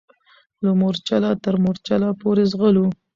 له مورچله تر مورچله پوري ځغلو